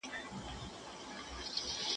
دا ترکیب بل ځای نه پیدا کېږي.